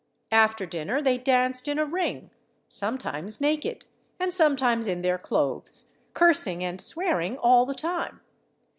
After dinner they danced in a ring, sometimes naked, and sometimes in their clothes, cursing and swearing all the time.